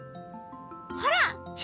ほら。